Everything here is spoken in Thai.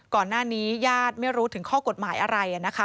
ญาติญาติไม่รู้ถึงข้อกฎหมายอะไรนะคะ